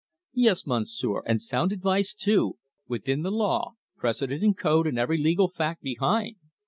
"Yes, Monsieur, and sound advice too, within the law precedent and code and every legal fact behind."